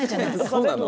「そうなの？